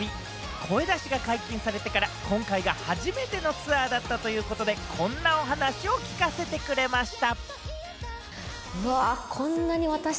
声出しが解禁されてから今回が初めてのツアーだったということで、こんなお話を聞かせてくれました。